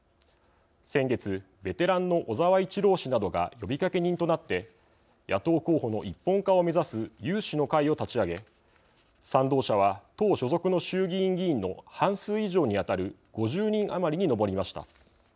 先月ベテランの小沢一郎氏などが呼びかけ人となって野党候補の一本化を目指す有志の会を立ち上げ賛同者は党所属の衆議院議員の半数以上に当たる５０人余りに上りました。